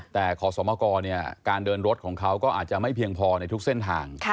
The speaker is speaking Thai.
แต่ขอสมกรการเดินรถของเขาก็อาจจะไม่เพียงพอในทุกเส้นทาง